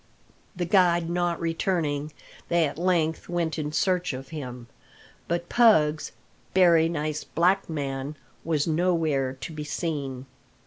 The guide not returning, they at length went in search of him. But Pug's "bery nice black man" was nowhere to be seen.